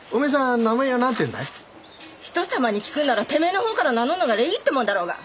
人様に聞くんならてめえの方から名乗るのが礼儀ってもんだろうが。